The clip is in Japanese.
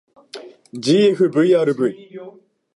ｇｆｖｒｖ